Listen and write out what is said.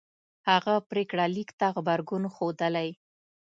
هغه پرېکړه لیک ته غبرګون ښودلی